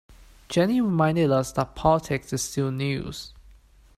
Jenny reminded us that politics is still news.